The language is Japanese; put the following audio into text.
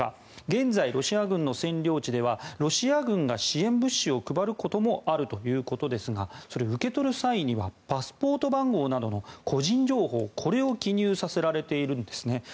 現在、ロシア軍の占領地ではロシア軍が支援物資を配ることもあるということですがそれ、受け取る際にはパスポート番号などの個人情報これを記入させられているんですね。